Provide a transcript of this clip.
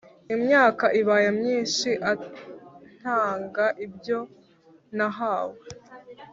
imyaka ibaye myinshi ntanga ibyo ntahawe